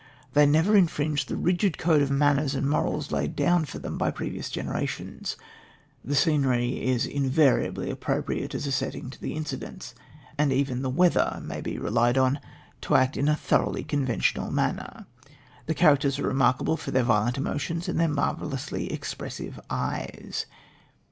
They never infringe the rigid code of manners and morals laid down for them by previous generations. The scenery is invariably appropriate as a setting to the incidents, and even the weather may be relied on to act in a thoroughly conventional manner. The characters are remarkable for their violent emotions and their marvellously expressive eyes.